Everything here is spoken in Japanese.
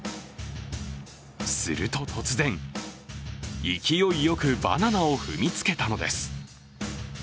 すると突然、勢いよくバナナを踏みつけたのです。